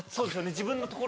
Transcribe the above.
自分のところ。